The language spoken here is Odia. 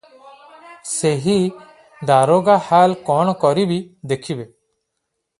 ସେହି ଦାରୋଗା ହାଲ କଣ କରିବି, ଦେଖିବେ ।